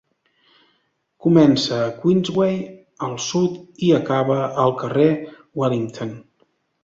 Comença a Queensway al sud i acaba al carrer Wellington.